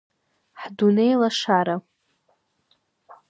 Ҳдунеи лашара!